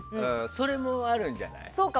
それもあるんじゃない？